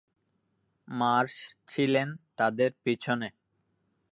Marsh ছিলেন তাদের পিছনে।